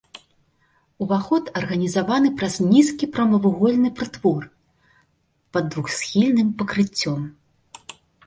Уваход арганізаваны праз нізкі прамавугольны прытвор пад двухсхільным пакрыццём.